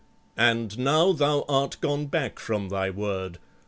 And now thou art gone back from thy word.